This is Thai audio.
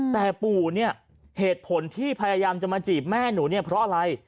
แต่ปู่เนี่ยเหตุผลที่พยายามจะมาจีบแม่หนูเนี่ยเพราะอะไร